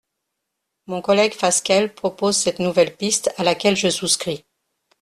Mon collègue Fasquelle propose cette nouvelle piste à laquelle je souscris.